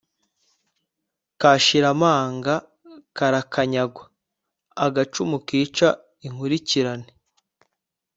Kashira amanga karakanyagwa.-Agacumu kica inkurikirane.